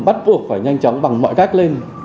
bắt buộc phải nhanh chóng bằng mọi cách lên